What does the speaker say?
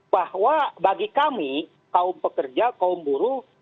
bahwa bagi kami kaum pekerja kaum buruh